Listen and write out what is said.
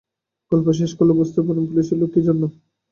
গল্প শেষ করলেই বুঝতে পারবেন পুলিশের লোক কী জন্যে।